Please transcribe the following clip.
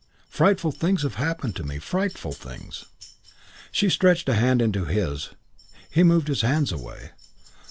Frightful things have happened to me. Frightful things." She stretched a hand to his. He moved his hands away.